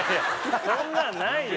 そんなんないよ！